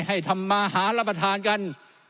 ให้ทำมาหารับประทานกัน